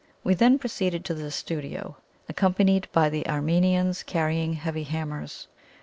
We then proceeded to the studio, accompanied by the Armenians carrying heavy hammers.